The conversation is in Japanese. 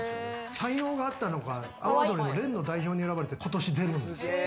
才能があったのか、阿波踊りの連の代表に選ばれて、ことし出るんですよ。